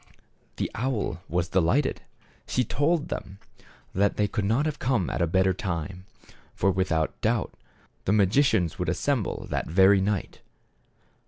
The owl was delighted. She told them that they could not have come at a better time. For, without doubt, the magicians would assemble that very night.